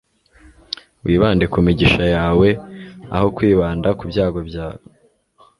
wibande ku migisha yawe, aho kwibanda ku byago byawe